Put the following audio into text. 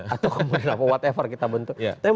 atau kemudian apa whatever kita bentuk